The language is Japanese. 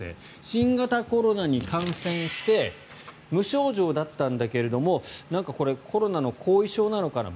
新型コロナに感染して無症状だったんだけれどもなんか、コロナの後遺症なのかな